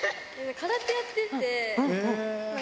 空手やってて。